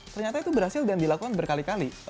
ternyata itu berhasil dan dilakukan berkali kali